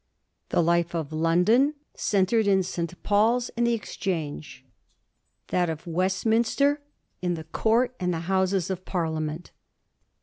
The life of London centred in St. Paul's and the Exchange ; that of Westminster in the Court and the Houses of Parliament.